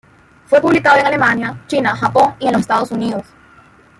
Fue publicado en Alemania, China, Japón y en los Estados Unidos.